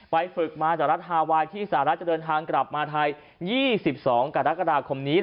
ฝึกมาจากรัฐฮาไวน์ที่สหรัฐจะเดินทางกลับมาไทย๒๒กรกฎาคมนี้